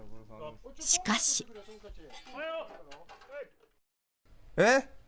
しかし。えっ？